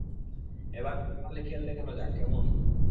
এবার তাহলে খেল দেখানো যাক, কেমন?